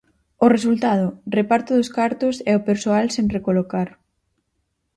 O resultado: reparto dos cartos e o persoal sen recolocar.